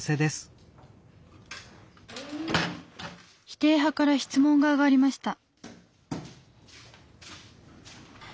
否定派から質問が上がりました。